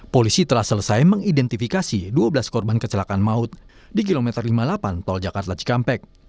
polisi telah selesai mengidentifikasi dua belas korban kecelakaan maut di kilometer lima puluh delapan tol jakarta cikampek